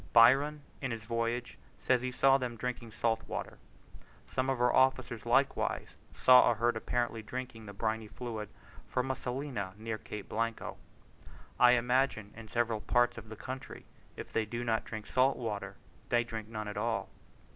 Byron, in his voyage says he saw them drinking salt water. Some of our officers likewise saw a herd apparently drinking the briny fluid from a salina near Cape Blanco. I imagine in several parts of the country, if they do not drink salt water, they drink none at all.